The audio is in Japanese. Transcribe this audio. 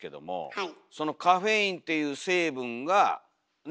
はい。